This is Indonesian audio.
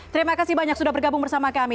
terima kasih banyak sudah bergabung bersama kami